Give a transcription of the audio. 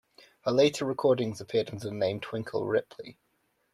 Her later recordings appeared under the name Twinkle Ripley.